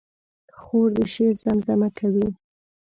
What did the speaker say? خور د شعر زمزمه کوي.